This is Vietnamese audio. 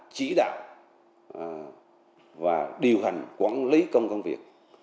chỉ đạo và điều hành quản lý công công việc